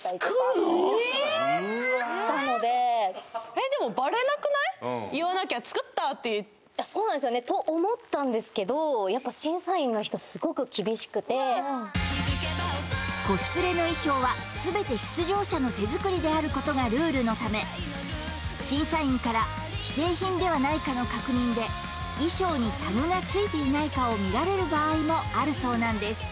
うわでも言わなきゃ作ったってそうなんですよねと思ったんですけどやっぱコスプレの衣装は全てのため審査員から既製品ではないかの確認で衣装にタグがついていないかを見られる場合もあるそうなんです